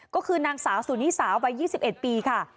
ก็คือนางสาวสุนิสาวัย๒๑ปีค่ะ